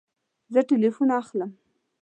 زه تلیفون اخلم